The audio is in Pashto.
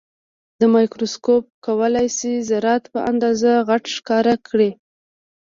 دا مایکروسکوپ کولای شي ذرات په اندازه غټ ښکاره کړي.